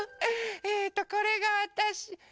えっとこれがわたし。